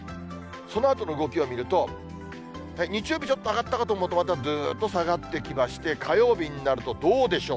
そのあとの動きを見ると、日曜日ちょっと上がったかと思うと、またぐーっと下がってきまして、火曜日になると、どうでしょう。